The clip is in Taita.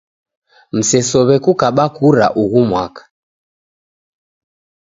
Msesow'e kukaba kura ughu mwaka.